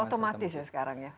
otomatis ya sekarang ya